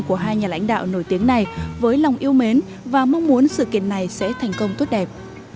của hai nhà lãnh đạo nổi tiếng này với lòng yêu mến và mong muốn sự kiện này sẽ thành công tốt đẹp